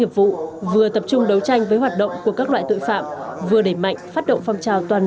nghiệp vụ vừa tập trung đấu tranh với hoạt động của các loại tội phạm vừa đẩy mạnh phát động phong trào toàn